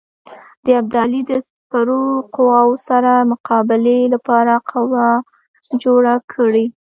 د ابدالي د سپرو قواوو سره مقابلې لپاره قوه جوړه کړي.